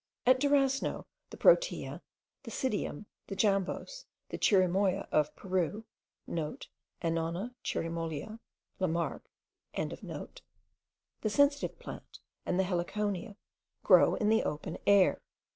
At Durasno, the protea, the psidium, the jambos, the chirimoya of Peru,* (* Annona cherimolia. Lamarck.) the sensitive plant, and the heliconia, grow in the open air.